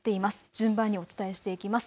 順番にお伝えしていきます。